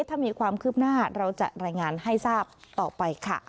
ถ้ามีความคืบหน้าเราจะรายงานให้ทราบต่อไปค่ะ